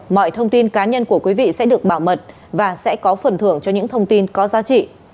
mọi thông tin cá nhân của quý vị sẽ được bảo mật và sẽ có phần thưởng cho những thông tin có giá trị